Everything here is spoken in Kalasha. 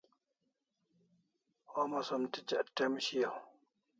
Homa som tichak t'em shiau